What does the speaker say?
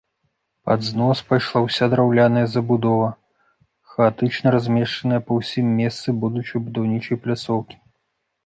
Пад знос пайшла ўся драўляная забудова, хаатычна размешчаная па ўсім месцы будучай будаўнічай пляцоўкі.